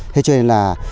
thế cho nên là